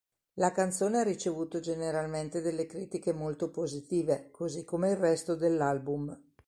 La canzone ha ricevuto generalmente delle critiche molto positive, così come il resto dell'album.